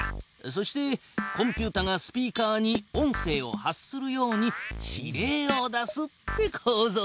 そしてコンピュータがスピーカーに音声を発するように指令を出すってこうぞうさ。